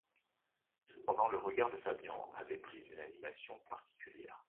Cependant, le regard de Fabian avait pris une animation singulière.